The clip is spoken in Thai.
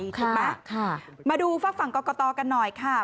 ถูกไหมมาดูฝากฝั่งกรกตกันหน่อยค่ะ